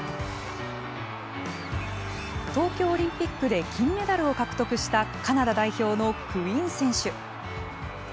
東京オリンピックで金メダルを獲得したカナダ代表のクイン選手。